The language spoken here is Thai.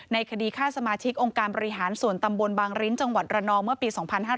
คดีฆ่าสมาชิกองค์การบริหารส่วนตำบลบางริ้นจังหวัดระนองเมื่อปี๒๕๕๙